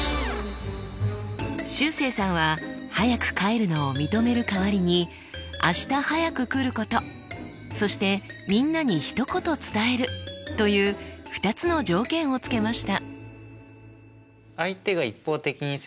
しゅうせいさんは早く帰るのを認める代わりに明日早く来ることそしてみんなに一言伝えるという２つの条件をつけました。